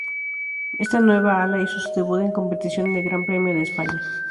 Esta nueva ala hizo su debut en competición en el Gran Premio de España.